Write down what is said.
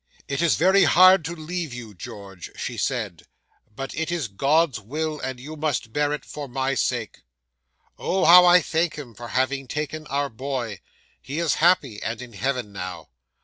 '"It is very hard to leave you, George," she said; "but it is God's will, and you must bear it for my sake. Oh! how I thank Him for having taken our boy! He is happy, and in heaven now.